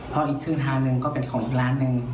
เพราะอีกครึ่งทางหนึ่งก็เป็นของอีกร้านหนึ่ง